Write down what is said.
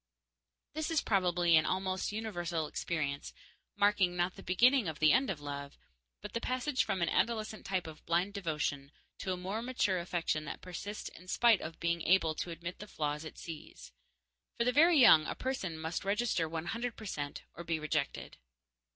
This is probably an almost universal experience, marking, not the beginning of the end of love, but the passage from an adolescent type of blind devotion to a more mature affection that persists in spite of being able to admit the flaws it sees. For the very young a person must register one hundred percent or be rejected.